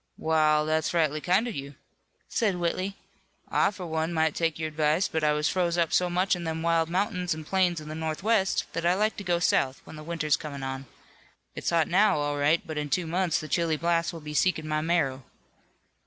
"Wa'al now, that's right kind of you," said Whitley. "I for one might take your advice, but I was froze up so much in them wild mountains an' plains of the northwest that I like to go south when the winter's comin' on. It's hot now, all right, but in two months the chilly blasts will be seekin' my marrow."